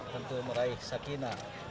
dan meraih sakinah